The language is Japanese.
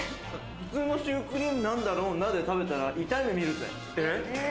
普通のシュークリームなんだろうなって思って食べたら痛い目みるぜ。